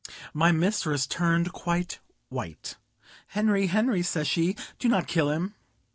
My mistress turned quite white, "Henry, Henry," says she, "do not kill him."